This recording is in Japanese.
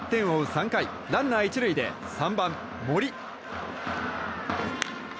３回ランナー１塁で３番、森。